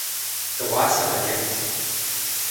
Дыгъуасэ мэремт.